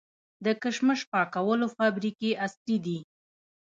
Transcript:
د کشمش پاکولو فابریکې عصري دي؟